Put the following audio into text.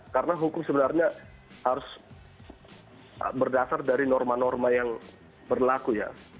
karena hukum sebenarnya harus berdasar dari norma norma yang berlaku ya